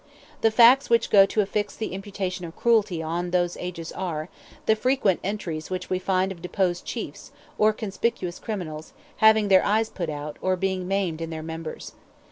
The facts which go to affix the imputation of cruelty on those ages are, the frequent entries which we find of deposed chiefs, or conspicuous criminals, having their eyes put out, or being maimed in their members.